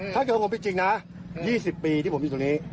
ถ้าเกิดผมผิดจริงนะ๒๐ปีที่ผมอยู่ตรงนี้